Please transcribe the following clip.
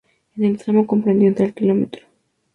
En el tramo comprendido entre el Km.